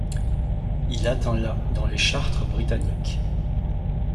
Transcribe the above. Il atteint la dans les charts britanniques.